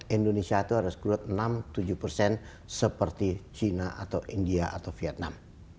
indonesia itu harus growth enam tujuh persen seperti china atau india atau vietnam